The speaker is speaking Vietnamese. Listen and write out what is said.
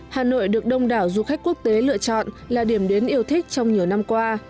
hà nội được đông đảo du khách quốc tế lựa chọn là điểm đến yêu thích trong nhiều năm qua